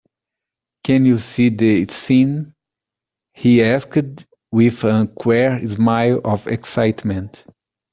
"Can't you see the scene?" he asked with a queer smile of excitement.